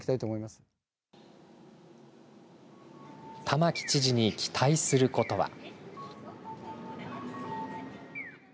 玉城知事に期待することは。